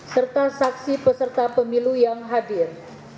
serta saksi peserta pemilu yang hadir